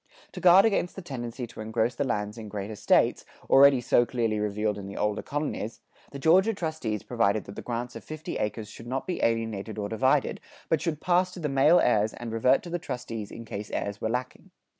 To guard against the tendency to engross the lands in great estates, already so clearly revealed in the older colonies, the Georgia trustees provided that the grants of fifty acres should not be alienated or divided, but should pass to the male heirs and revert to the trustees in case heirs were lacking.